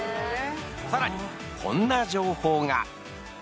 さらにこんな情報が。